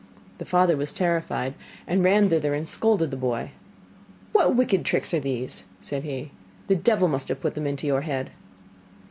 The father was terrified, and ran thither and scolded the boy. 'What wicked tricks are these?' said he. 'The devil must have put them into your head.